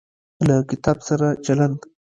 له کتاب سره چلند